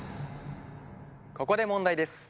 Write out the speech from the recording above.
ここで問題です。